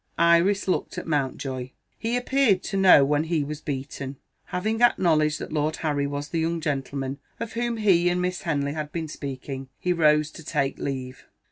Iris looked at Mountjoy. He appeared to know when he was beaten. Having acknowledged that Lord Harry was the young gentleman of whom he and Miss Henley had been speaking, he rose to take leave.